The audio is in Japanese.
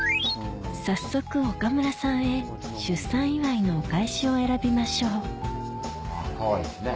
早速岡村さんへ出産祝いのお返しを選びましょうかわいいですね。